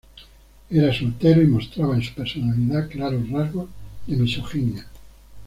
Era soltero y mostraba en su personalidad claros rasgos de misoginia.